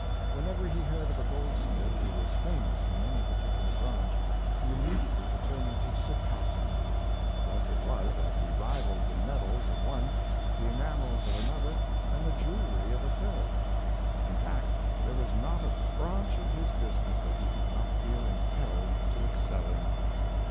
Whenever he heard of a goldsmith who was famous in an}^ par ticular branch, he immediately determined to surpass him. Thus it was that he rivalled the medals of one, the enamels of another, and the jewelry of a third; in 840 Benvenuto Cellini. fact, there was not a branch of his business that he did not feel impelled to excel in.